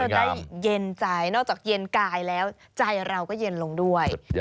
ได้เย็นใจนอกจากเย็นกายแล้วใจเราก็เย็นลงด้วย